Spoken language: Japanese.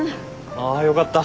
あよかった。